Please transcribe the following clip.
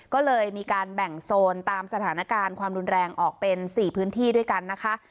ก็เลยมีการแบ่งโซนตามสถานการณ์ความรุนแรงออกเป็น๔พื้นที่ด้วยกันนะคะ